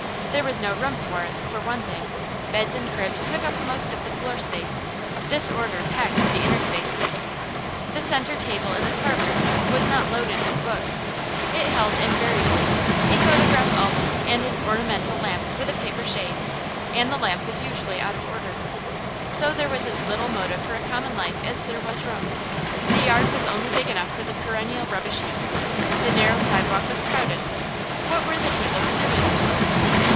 There was no room for it, for one thing. Beds and cribs took up most of the floor space, disorder packed the interspaces. The centre table in the "parlor" was not loaded with books. It held, invariably, a photograph album and an ornamental lamp with a paper shade; and the lamp was usually out of order. So there was as little motive for a common life as there was room. The yard was only big enough for the perennial rubbish heap. The narrow sidewalk was crowded. What were the people to do with themselves?